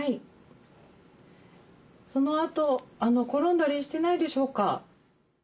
そのあと転んだりしてないでしょうか？